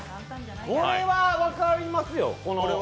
これは分かりますよ。